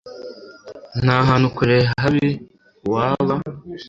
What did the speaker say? Nta hantu kure habi waba